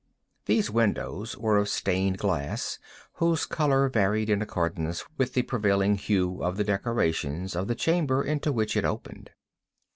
These windows were of stained glass whose color varied in accordance with the prevailing hue of the decorations of the chamber into which it opened.